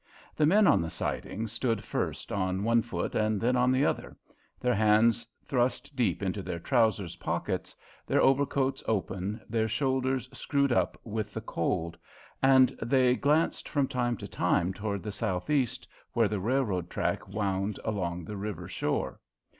The men on the siding stood first on one foot and then on the other, their hands thrust deep into their trousers pockets, their overcoats open, their shoulders screwed up with the cold; and they glanced from time to time toward the southeast, where the railroad track wound along the river shore.